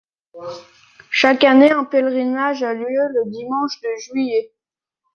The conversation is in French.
Chaque année un pèlerinage a lieu le dimanche de juillet.